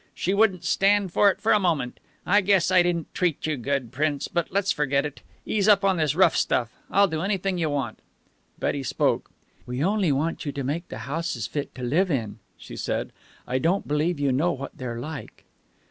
She wouldn't stand for it for a moment. I guess I didn't treat you good, Prince, but let's forget it. Ease up on this rough stuff. I'll do anything you want." Betty spoke. "We only want you to make the houses fit to live in," she said. "I don't believe you know what they're like."